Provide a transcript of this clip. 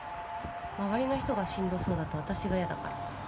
周りの人がしんどそうだと私が嫌だから。